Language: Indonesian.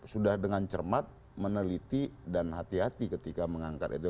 sudah dengan cermat meneliti dan hati hati ketika mengangkat itu